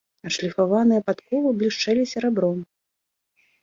Адшліфаваныя падковы блішчэлі серабром.